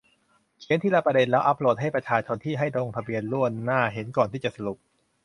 เขียนทีละประเด็น แล้วอัพโหลด ให้ประชาชนที่ให้ลงทะเบียนล่วงหน้า เห็นก่อนที่จะสรุป